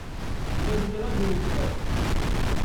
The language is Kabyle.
Maziɣ ad inser.